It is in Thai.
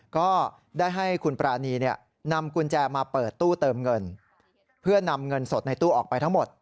ก็ได้ให้คุณปรานีนำกุญแจมาเปิดตู้เติมเงินเพื่อนำเงินสดในตู้ออกไปทั้งหมด